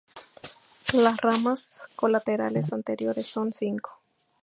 Las ramas colaterales anteriores son cinco.